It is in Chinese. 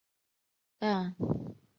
但仍未恢复宗教活动。